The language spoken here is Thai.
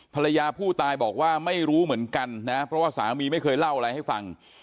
ภรรยาผู้ตายบอกว่าไม่รู้เหมือนกันนะเพราะว่าสามีไม่เคยเล่าอะไรให้ฟัง